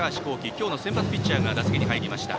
今日の先発ピッチャーが打席に入りました。